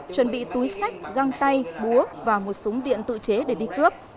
chuẩn bị túi sách găng tay búa và một súng điện tự chế để đi cướp